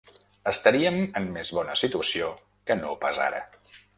Estaríem en més bona situació que no pas ara.